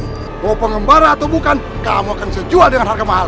mau pengembara atau bukan kamu akan sejual dengan harga mahal